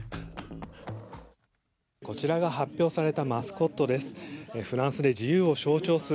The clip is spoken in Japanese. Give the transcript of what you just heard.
こちらが発表されたマスコットです。